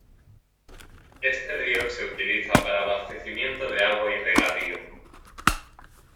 Este río se utiliza para abastecimiento de agua y regadío.